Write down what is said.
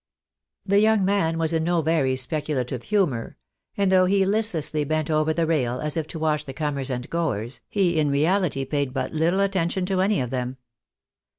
The young man was in no very speculative humour ; and though he listlessly bent over the rail as if to watch the comers and goers, he in reahty paid but little attention to any of them.